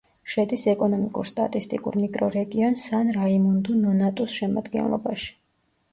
შედის ეკონომიკურ-სტატისტიკურ მიკრორეგიონ სან-რაიმუნდუ-ნონატუს შემადგენლობაში.